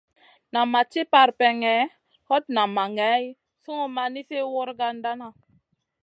Nan ma ci parpèŋè, hot nan ma ŋay sungun ma nizi wragandana.